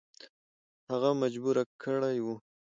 هغه مجبور کړی وو.